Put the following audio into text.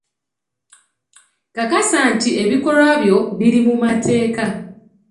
Kakasa nti ebikolwa byo biri mu mateeka.